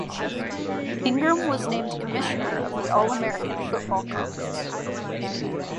Ingram was named commissioner of the All-America Football Conference.